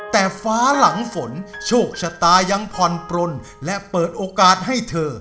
แต่ฟ้าหลังฝนโชคชะตายังผ่อนปลนและเปิดโอกาสให้เธอ